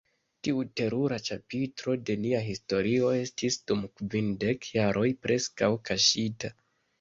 Tiu terura ĉapitro de nia historio estis dum kvindek jaroj preskaŭ kaŝita.